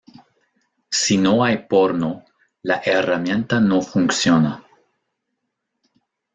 Si no hay porno, la herramienta no funciona.